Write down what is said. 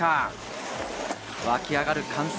湧き上がる歓声。